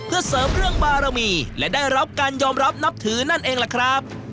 เพื่อเสริมเรื่องบารมีและได้รับการยอมรับนับถือนั่นเองล่ะครับ